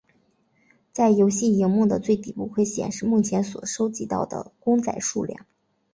在游戏萤幕的最底部会显示目前所收集到的公仔数量。